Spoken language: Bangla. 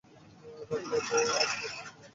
রাগলে তোকে কতো হট লাগে জানোস!